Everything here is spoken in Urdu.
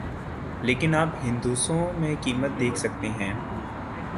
لیکن آپ ہندسوں میں قیمت دیکھ سکتے ہیں